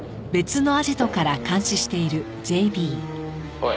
「おい」